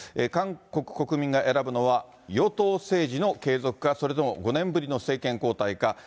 韓国国民が選ぶのは、与党政治の継続か、それとも５年ぶりの政権交代か。